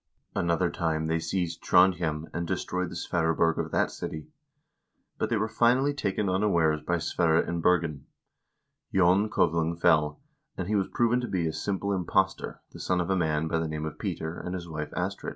Another time they seized Trondhjem and destroyed the Sverreborg of that city. But they were finally taken unawares by Sverre in Bergen; Jon Kuvlung fell, and he was proven to be a simple impostor, the son of a man by the name of Peter and his wife Astrid.